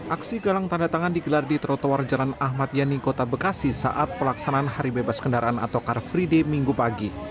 aksi galang tanda tangan digelar di trotoar jalan ahmad yani kota bekasi saat pelaksanaan hari bebas kendaraan atau car free day minggu pagi